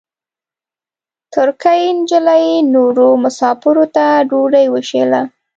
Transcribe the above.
ترکۍ نجلۍ نورو مساپرو ته ډوډۍ وېشله.